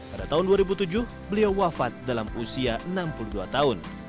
pada tahun dua ribu tujuh beliau wafat dalam usia enam puluh dua tahun